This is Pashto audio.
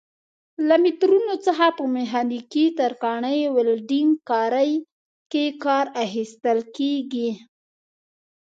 له مترونو څخه په میخانیکي، ترکاڼۍ، ولډنګ کارۍ کې کار اخیستل کېږي.